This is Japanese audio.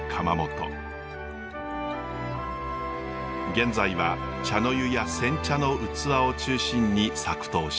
現在は茶の湯や煎茶の器を中心に作陶しています。